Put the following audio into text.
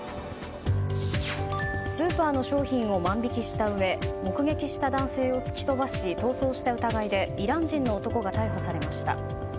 スーパーの商品を万引きしたうえ目撃した男性を突き飛ばし逃走した疑いでイラン人の男が逮捕されました。